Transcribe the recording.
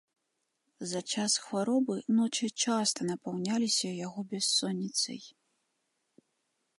За час хваробы ночы часта напаўняліся яго бяссонніцай.